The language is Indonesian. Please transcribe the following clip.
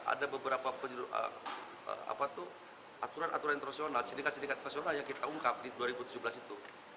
ada beberapa aturan aturan internasional sindikat sindikat nasional yang kita ungkap di dua ribu tujuh belas itu